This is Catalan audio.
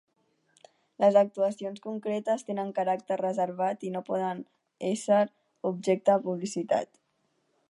Les actuacions concretes tenen caràcter reservat i no poden ésser objecte de publicitat.